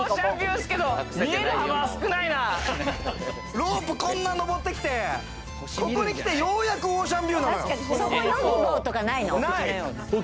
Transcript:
ロープ、こんな登ってきて、ここにきて、ようやくオーシャンビューなのよ。